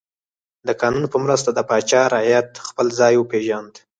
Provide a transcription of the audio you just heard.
د قانون په مرسته د پاچا رعیت خپل ځای وپیژند.